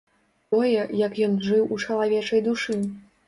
Тое, як ён жыў у чалавечай душы.